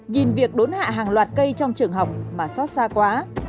nhìn việc đốn hạ hàng loạt cây trong trường học mà xót xa quá